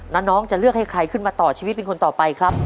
น้องจะเลือกให้ใครขึ้นมาต่อชีวิตเป็นคนต่อไปครับ